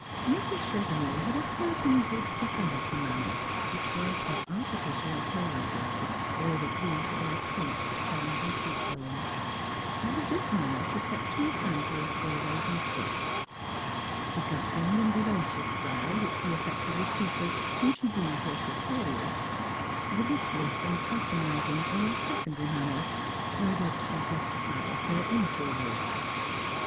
Mrs. Chevenix had a certain good society manner which was as artificial as her eyebrows, or the bluish white tints that toned her cheek bones; and of this manner she kept two samples always in stock — the gushing and vivacious style which she affected with people whom sh# deemed her superiors, the listless and patronising, or secondary manner, wherewith she gratified her niferiors.